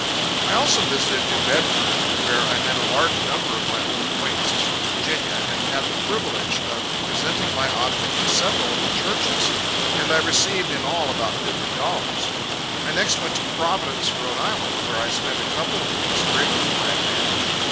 I also visited New Bedford, where I met a large number of my old acquaintances from Virginia, and had the privilege of presenting my object to several of the Churches, and I received in all about $50. I next went to Providence, Rhode Island, where I spent a couple of weeks greatly to my advantage.